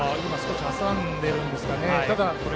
挟んでいるんですかね。